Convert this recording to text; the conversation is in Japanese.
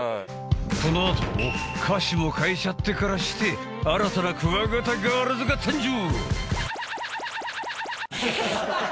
このあと歌詞を変えちゃってからして新たなくわがたガールズが誕生！